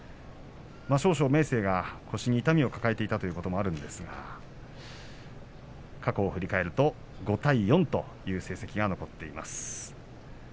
少々、明生が腰に痛みを抱えていたということもあるんですが過去を振り返ると５対４という成績が残っています。